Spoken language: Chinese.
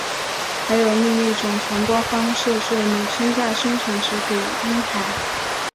还有另一种传播方式是母亲在生产时给婴孩。